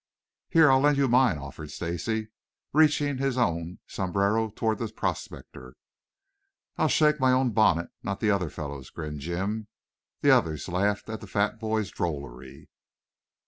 "Here, I'll lend you mine," offered Stacy, reaching his own sombrero toward the prospector. "I shake my own bonnet, not the other fellow's," grinned Jim. The others laughed at the fat boy's drollery.